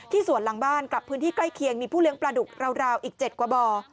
สวนหลังบ้านกลับพื้นที่ใกล้เคียงมีผู้เลี้ยงปลาดุกราวอีก๗กว่าบ่อ